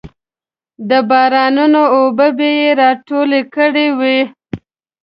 د بارانونو اوبه یې راټولې کړې وې.